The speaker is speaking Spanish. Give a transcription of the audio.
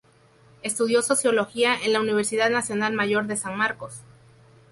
Estudió Sociología en la Universidad Nacional Mayor de San Marcos.